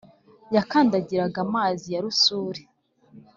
yakandagiraga amazi ya rusuri